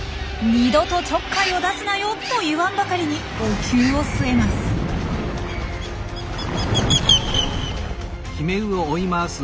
「二度とちょっかいを出すなよ！」と言わんばかりにお灸を据えます。